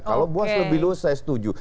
kalau boaz lebih lulus saya setuju